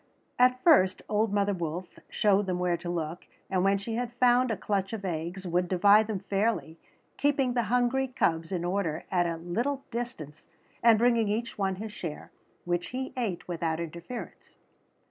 At first old mother wolf showed them where to look, and when she had found a clutch of eggs would divide them fairly, keeping the hungry cubs in order at a little distance and bringing each one his share, which he ate without interference.